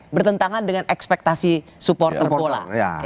bertentangan dengan ekspektasi supporter pola